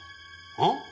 あっ？